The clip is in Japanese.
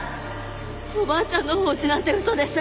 おばあちゃんの法事なんて嘘です。